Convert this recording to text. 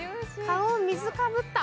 顔、水かぶった？